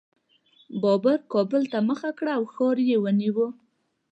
بابر کابل ته مخه کړه او ښار یې ونیو.